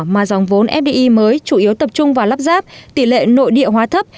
mà dòng vốn fdi mới chủ yếu tập trung vào lắp ráp tỷ lệ nội địa hóa thấp